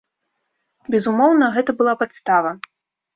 Безумоўна, гэта была падстава.